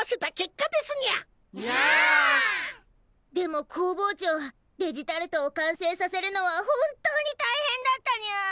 でも工房長デジタルトを完成させるのは本当に大変だったにゃっ！